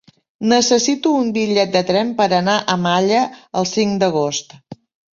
Necessito un bitllet de tren per anar a Malla el cinc d'agost.